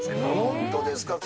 本当ですか。